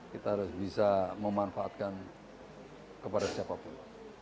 kita harus bisa memanfaatkan kepada siapapun